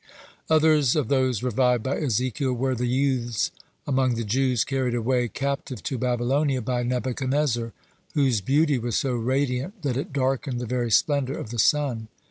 Others of those revived by Ezekiel were the youths among the Jews carried away captive to Babylonia by Nebuchadnezzar whose beauty was so radiant that it darkened the very splendor of the sun.